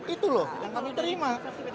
itu loh yang kami terima